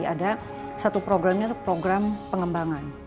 ada satu programnya program pengembangan